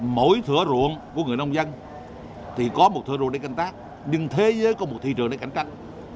mỗi thửa ruộng của người nông dân thì có một thửa ruộng để cảnh tác nhưng thế giới có một thị trường để cảnh tác